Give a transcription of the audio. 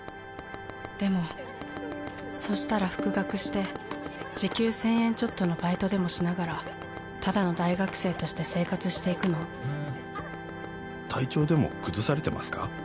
でもそしたら復学して時給１０００円ちょっとのバイトでもしながらただの大学生として「体調でも崩されてますか？